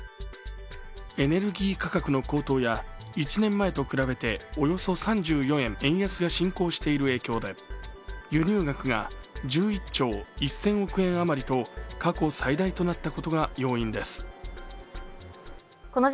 エネルギー価格の高騰や１年前と比べておよそ３４円円安が進行している影響で輸入額が１１兆１０００億円あまりと過去最大となったことが要因です。